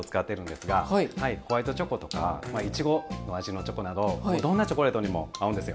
ホワイトチョコとかイチゴの味のチョコなどどんなチョコレートにも合うんですよ。